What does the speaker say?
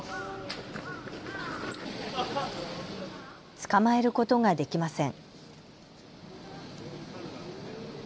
捕まえることができません。